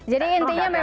jadi intinya memang